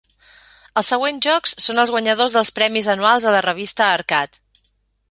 Els següents jocs són els guanyadors dels premis anuals de la revista Arcade.